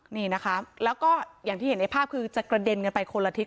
นี่นะคะแล้วก็อย่างที่เห็นในภาพคือจะกระเด็นกันไปคนละทิศ